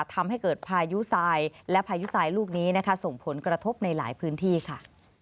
ทำให้เกิดพายุทรายและพายุทรายลูกนี้นะคะส่งผลกระทบในหลายพื้นที่ค่ะ